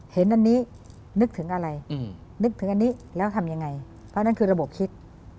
เห็นอันนี้นึกถึงอะไรนึกถึงอันนี้แล้วทำยังไงเพราะนั่นคือระบบคิด